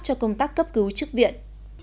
cho công tác cấp cứu trước viện